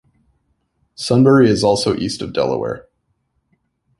Sunbury is also east of Delaware.